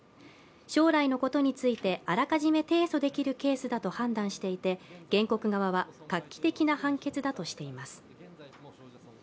将来のことについて、あらかじめ提訴できるケースだと判断していて原告側は画期的な判決だとしています。